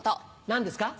何ですか？